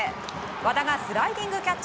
和田がスライディングキャッチ。